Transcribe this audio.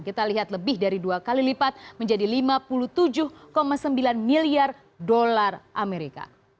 kita lihat lebih dari dua kali lipat menjadi lima puluh tujuh sembilan miliar dolar amerika